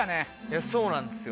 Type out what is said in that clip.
そうなんですよ。